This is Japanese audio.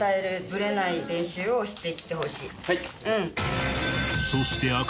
はい。